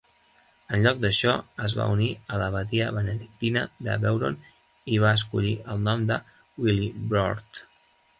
En lloc d'això, es va unir a l'abadia benedictina de Beuron i va escollir el nom de Willibrord.